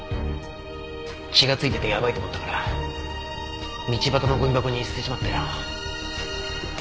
血が付いててやばいと思ったから道端のゴミ箱に捨てちまったよ。